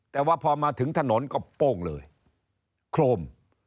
แต่ว่าพอมาถึงถนนก็โป้งเลยโครม